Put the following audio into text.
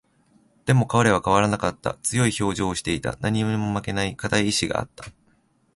でも、彼は変わらなかった。強い表情をしていた。何にも負けない固い意志があった。